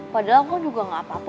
padahal aku juga gak apa apa